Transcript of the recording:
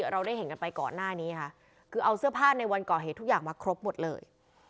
เราได้เห็นกันไปก่อนหน้านี้ค่ะคือเอาเสื้อผ้าในวันก่อเหตุทุกอย่างมาครบหมดเลย